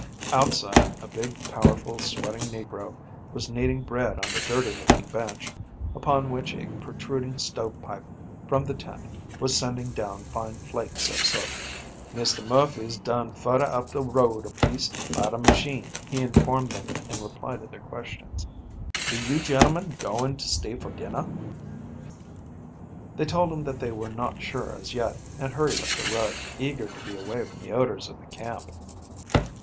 Outside a big, powerful, sweating negro was kneading bread on a dirty looking bench, upon which a protruding stove pipe from the tent was sending down fine flakes of soot. "Mister Murphy's dun fudder up the road apiece by the machine," he informed them in reply to their questions. "Be you gentlemen going to stay for dinner?" They told him that they were not sure as yet, and hurried up the road, eager to be away from the odors of the camp.